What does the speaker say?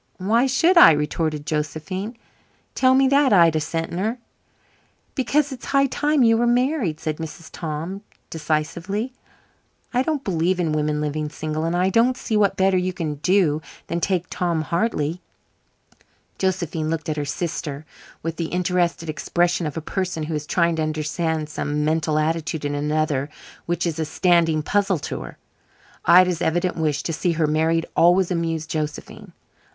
"Why should I?" retorted Josephine. "Tell me that, Ida Sentner." "Because it is high time you were married," said Mrs. Tom decisively. "I don't believe in women living single. And I don't see what better you can do than take David Hartley." Josephine looked at her sister with the interested expression of a person who is trying to understand some mental attitude in another which is a standing puzzle to her. Ida's evident wish to see her married always amused Josephine.